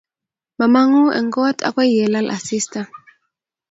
Mamang'u eng' kot akoy yelal asista